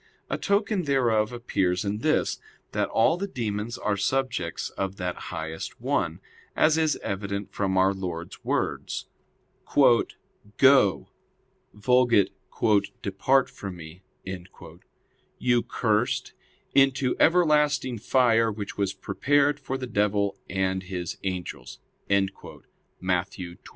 A token thereof appears in this, that all the demons are subjects of that highest one; as is evident from our Lord's words: "Go [Vulg. 'Depart from Me'], you cursed, into everlasting fire, which was prepared for the devil and his angels" (Matt. 25:41).